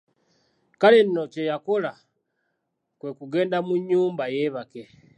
Kale nno kye yakola kwe kugenda mu nnyumba yeebake.